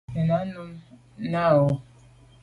Nenà num nà o yo.